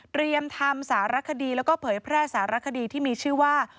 ทำสารคดีแล้วก็เผยแพร่สารคดีที่มีชื่อว่า